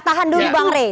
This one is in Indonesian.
tahan dulu bang rey